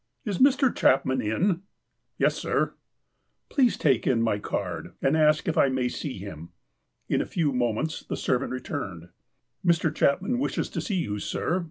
''Is Mr. Chapman in?" "Yes, sir." " Ph';us(^ take in my card, and ask if I may see him." In a few moments the servant returned. "Mr. Cluipmau wishes to see you, sir.